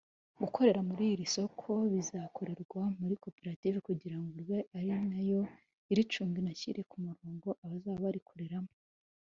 Gukorera muri iri soko bizakorerwa muri koperative kugira ngo ibe ari nayo iricunga inashyire ku murongo abazaba barikoreramo